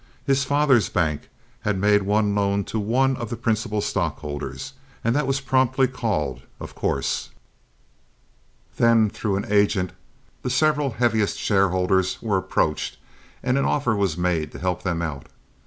His father's bank had made one loan to one of the principal stockholders, and that was promptly called, of course. Then, through an agent, the several heaviest shareholders were approached and an offer was made to help them out.